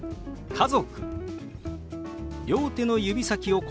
「家族」。